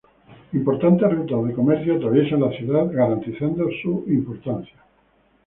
Importantes rutas de comercio atraviesan la ciudad, garantizando su importancia.